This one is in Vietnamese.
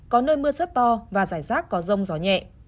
có nơi mưa rất to và rải rác có rông gió nhẹ